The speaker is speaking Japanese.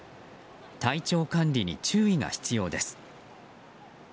体調管理に注意が必要です。